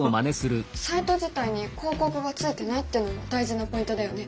サイト自体に広告がついていないっていうのも大事なポイントだよね。